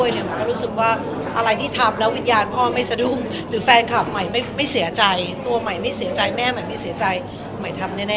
หมายก็เลยคิดว่าหมายมาโฟงกัสตรงนี้ก่อน